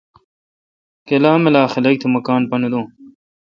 کلا ملا خلق تہ مہ کان نہ دوں۔